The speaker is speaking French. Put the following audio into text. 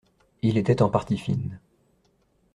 Il était en partie fine.